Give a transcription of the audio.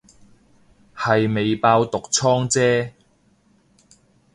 係未爆毒瘡姐